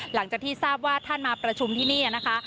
หลังจากที่ทราบว่าท่านมาประชุมที่นี่นะคะ